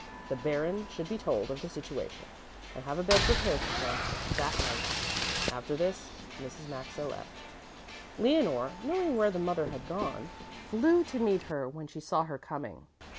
The Baron should be told of the situation and have a bed prepared for him that night. After this Mrs. Maxa left. Leonore, knowing where the mother had gone, flew to meet her when she saw her coming.